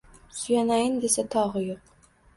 Suyanayin desa togi yuq